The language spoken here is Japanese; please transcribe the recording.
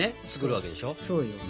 そうよ。